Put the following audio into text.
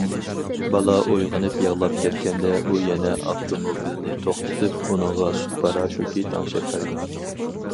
بالا ئويغىنىپ يىغلاپ كەتكەندە ئۇ يەنە ئاپتوموبىلنى توختىتىپ ئۇنىڭغا سۈت پاراشوكى تەڭشەپ بەرگەن.